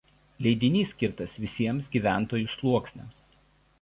Leidinys skirtas visiems gyventojų sluoksniams.